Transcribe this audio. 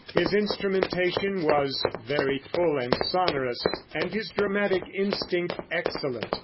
His instrumentation was very full and sonorous, and his dramatic instinct excellent.